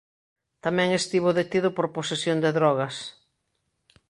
Tamén estivo detido por posesión de drogas.